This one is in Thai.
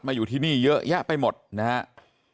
อยู่ที่นี่เยอะแยะไปหมดนะครับ